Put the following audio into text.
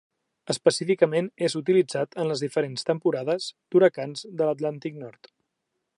Específicament, és utilitzat en les diferents temporades d'huracans de l'Atlàntic Nord.